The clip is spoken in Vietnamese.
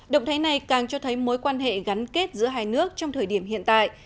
động thái này càng cho thấy mối quan hệ gắn kết giữa hai nước trong thời điểm hiện tại